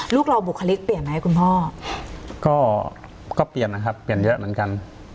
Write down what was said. ลูกเราบุคลิกเปลี่ยนไหมคุณพ่อก็เปลี่ยนนะครับเปลี่ยนเยอะเหมือนกัน